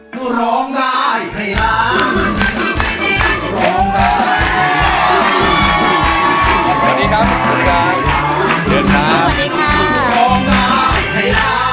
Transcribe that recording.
ลูกคุณคุณทีวี